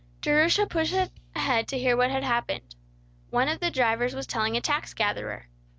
Jerusha pushed ahead to hear what had happened. One of the drivers was telling a tax gatherer.